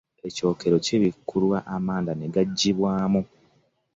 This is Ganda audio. Ekyokero kibikkulwa amanda ne gaggyibwamu.